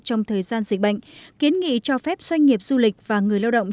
trong thời gian dịch bệnh kiến nghị cho phép doanh nghiệp du lịch và người lao động